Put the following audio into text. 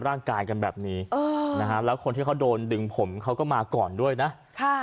ร่างกายกันแบบนี้คนที่เขาโดนดึงผมเขาก็มาก่อนด้วยนะนะ